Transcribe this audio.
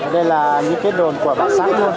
đây là những cái đồ của bản sản